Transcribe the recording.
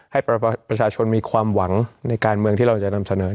ให้ประชาชนมีความหวังในการเมืองที่เราจะนำเสนอ